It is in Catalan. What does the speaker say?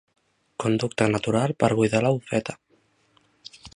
Conducte natural per buidar la bufeta.